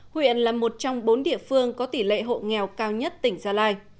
huyện là một trong bốn địa phương có tỷ lệ hộ nghèo cao nhất tỉnh gia lai